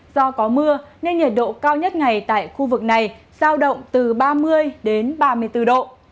do có mưa nên nhiệt độ cao nhất ngày tại khu vực này giao động từ ba mươi đến ba mươi bốn độ